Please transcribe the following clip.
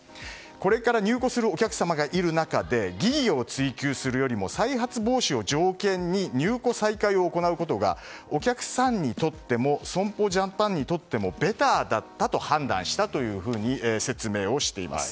これから入庫するお客様がいる中で疑義を追及するよりも再発防止を条件に入庫再開を行うことがお客さんにとっても損保ジャパンにとってもベターだったと判断したと説明をしています。